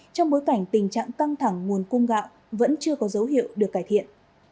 trong bối cảnh tình trạng căng thẳng nguồn cung gạo vẫn chưa có dấu hiệu được cải thiện